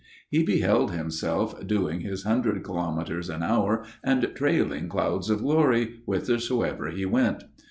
He beheld himself doing his hundred kilometres an hour and trailing clouds of glory whithersoever he went.